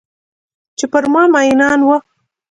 چې پر ما میینان وه